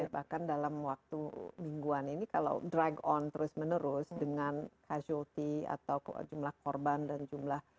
bahkan dalam waktu mingguan ini kalau drag on terus menerus dengan casuality atau jumlah korban dan jumlah